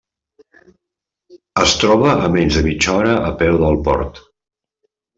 Es troba a menys de mitja hora a peu del Port.